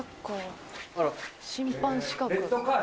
審判資格。